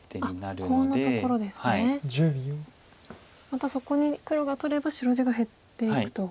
またそこに黒が取れば白地が減っていくと。